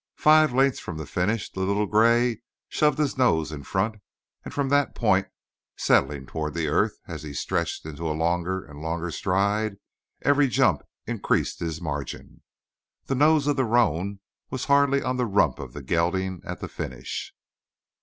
Five lengths from the finish the little gray shoved his nose in front; and from that point, settling toward the earth, as he stretched into a longer and longer stride, every jump increased his margin. The nose of the roan was hardly on the rump of the gelding at the finish.